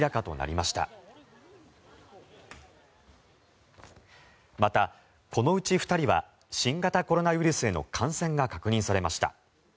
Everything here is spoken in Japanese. また、このうち２人は新型コロナウイルスへの感染が確認されました。